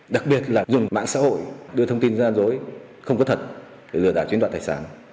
đặc biệt là dùng mạng xã hội đưa thông tin gian dối không có thật để lừa đảo chiếm đoạt tài sản